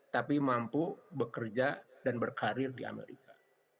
tapi mampu bekerja dan berkarir di amerika